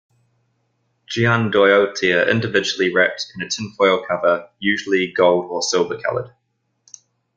Gianduiotti are individually wrapped in a tinfoil cover, usually gold or silver-colored.